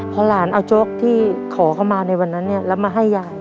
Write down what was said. พอหลานเอาโจ๊กที่ขอเข้ามาในวันนั้นเนี่ยแล้วมาให้ยาย